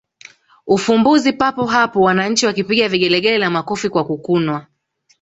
ufumbuzi papo hapo wananchi wakipiga vigelegele na makofi kwa kukunwa